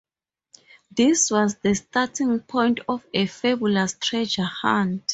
This was the starting point of a fabulous treasure hunt.